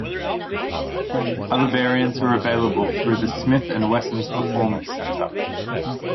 Other variants are available through the Smith and Wesson's Performance Center.